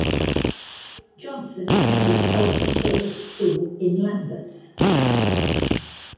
Johnson attended Tulse Hill School in Lambeth.